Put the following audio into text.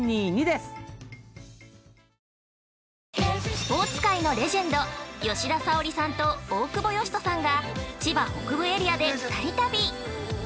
◆スポーツ界のレジェンド吉田沙保里さんと大久保嘉人さんが千葉北部エリアで２人旅。